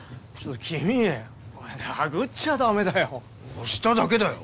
押しただけだよ！